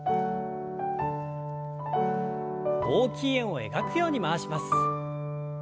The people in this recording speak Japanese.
大きい円を描くように回します。